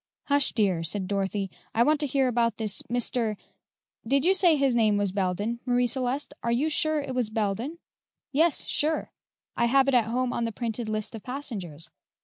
"Hush, dear!" said Dorothy; "I want to hear more about this Mr. did you say his name was Belden, Marie Celeste? Are you sure it was Belden?" "Yes, sure; I have it at home in the printed list of passengers.